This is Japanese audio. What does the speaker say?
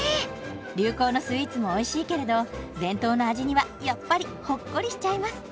流行のスイーツもおいしいけれど伝統の味にはやっぱりホッコリしちゃいます。